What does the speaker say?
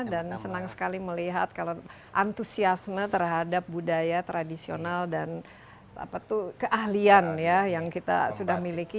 dan senang sekali melihat kalau antusiasme terhadap budaya tradisional dan keahlian yang kita sudah miliki